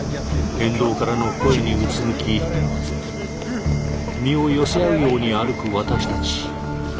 沿道からの声にうつむき身を寄せ合うように歩く私たち。